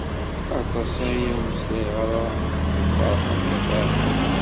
Aṭas aya ur mmeslayeɣ ara d Ferḥat n At Ɛebbas.